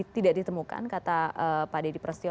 tidak ditemukan kata pak dedy prasetyo